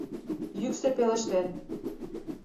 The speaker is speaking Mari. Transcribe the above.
Йӱксӧ пелештен.